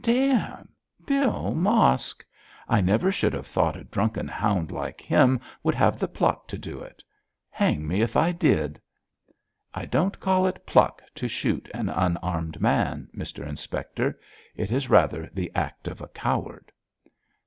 Damme! Bill Mosk! I never should have thought a drunken hound like him would have the pluck to do it. Hang me if I did!' 'I don't call it pluck to shoot an unarmed man, Mr Inspector. It is rather the act of a coward.'